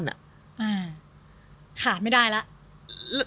ขาดไม่ได้แล้ว